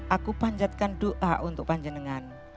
aku panjatkan doa untuk panjenengan